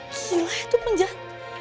gila itu penjahat